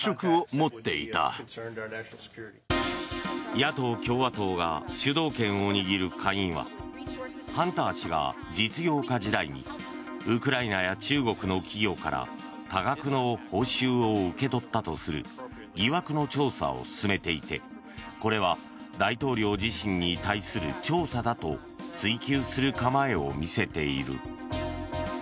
野党・共和党が主導権を握る下院はハンター氏が実業家時代にウクライナや中国の企業から多額の報酬を受け取ったとする疑惑の調査を進めていてこれは大統領自身に対する調査だと追及する構えを見せている。